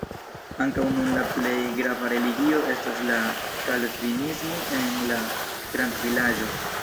Ankaŭ nun la plej grava religio estas la kalvinismo en la grandvilaĝo.